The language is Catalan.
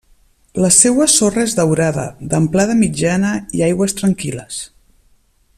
La seua sorra és daurada, d'amplada mitjana i aigües tranquil·les.